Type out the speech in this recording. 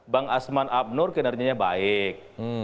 bang asman abnur kinerjanya baik